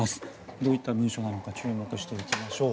どういった文書なのか注目しておきましょう。